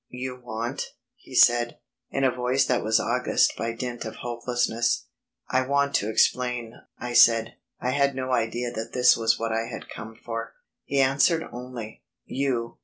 "You want?" he said, in a voice that was august by dint of hopelessness. "I want to explain," I said. I had no idea that this was what I had come for. He answered only: "You!"